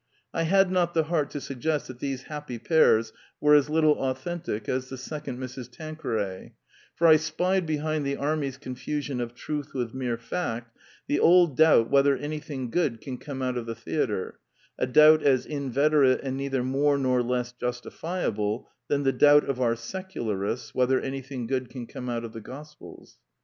I had not the heart to suggest that these happy pairs were as little authentic as Th« Second Mrs. Tanqueray; for I spied behind the army's confusion of truth with mere fact the old doubt whether anything good can come out of the theatre, a doubt as inveter ate and neither more nor less justifiable than the doubt of our Secularists whether anything good can come out of the gospels.